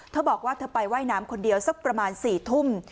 เธอบอกว่าเธอไปว่ายน้ำคนเดียวสักประมาณ๔ทุ่ม